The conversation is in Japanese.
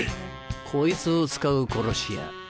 こいつを使う殺し屋。